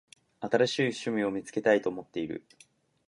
新しい趣味を見つけたいと思っている。